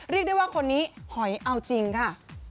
เรียกได้ว่าคนนี้หอยเอาจริงค่ะ